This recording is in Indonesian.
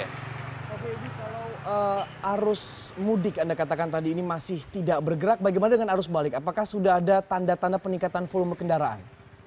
oke kalau arus mudik anda katakan tadi ini masih tidak bergerak bagaimana dengan arus balik apakah sudah ada tanda tanda peningkatan volume kendaraan